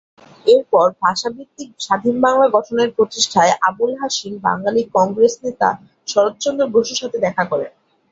এরপর ভাষাভিত্তিক স্বাধীন বাংলা গঠনের প্রচেষ্টায় আবুল হাশিম বাঙালি কংগ্রেস নেতা শরৎচন্দ্র বসুর সাথে দেখা করেন।